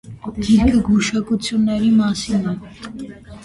Գիրքը գուշակությունների մասին է։